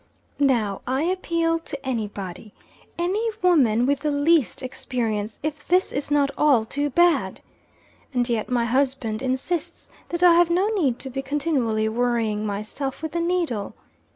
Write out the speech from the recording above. Now I appeal to any body any woman with the least experience, if this is not all too bad! And yet my husband insists that I have no need to be continually worrying myself with the needle.